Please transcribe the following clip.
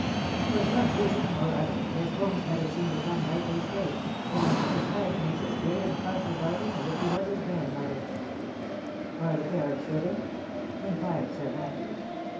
For some reason or other, his bones never seemed to come rightly straight, and this Mike makes as great a fuss about him, as if he was his grand mother," "Are the parents living?" inquired Sir Matthew.